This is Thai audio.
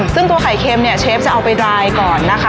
ซึ่งตัวไข่เค็มเนี่ยเชฟจะเอาไปรายก่อนนะคะ